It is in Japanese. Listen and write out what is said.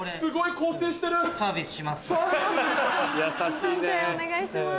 判定お願いします。